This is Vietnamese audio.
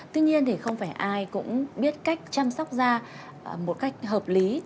tuy nhiên thì không phải ai cũng biết cách chăm sóc da một cách hợp lý